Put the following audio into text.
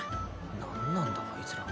何なんだあいつら。